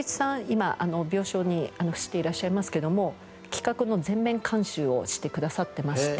今病床に伏していらっしゃいますけども企画の全面監修をしてくださってまして。